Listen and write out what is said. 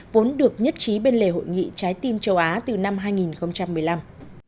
vốn được nhất trí bên lề hội nghị trái tim châu á từ năm hai nghìn một mươi năm